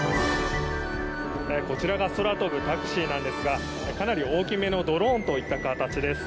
こちらが空飛ぶタクシーなんですがかなり大きめのドローンといった形です。